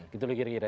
gitu lah kira kira